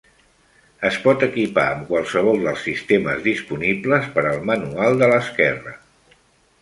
Es pot equipar amb qualsevol dels sistemes disponibles per al manual de l'esquerra.